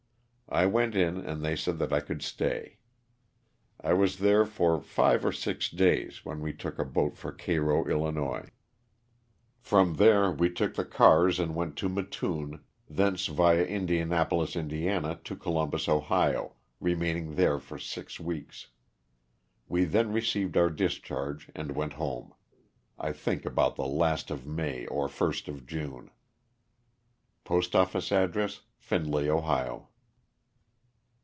I went in and they said that I could stay. I was there for five or six days, when we took a boat for Cairo, 111. From there we took the cars and went to Mat LOSS OF THE SULTANA. 261 toon, thence via Indianapolis, Ind., to Columbus, Ohio, remaining there for six weeks. We then received our discharge and went home, I think about the last of May or first of June. Post oflace address, Findlay, Ohio.